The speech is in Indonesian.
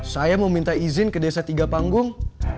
saya mau minta izin ke desa tiga panggung